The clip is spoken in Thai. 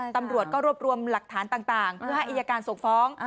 ตำรวจก็รวบรวมหลักฐานต่างเพื่อให้อายการส่งฟ้อง